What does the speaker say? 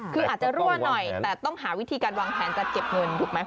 คืออาจจะรั่วหน่อยแต่ต้องหาวิธีการวางแผนจัดเก็บเงินถูกไหม